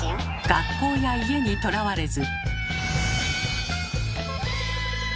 学校や家にとらわれず。